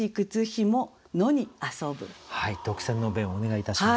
特選の弁をお願いいたします。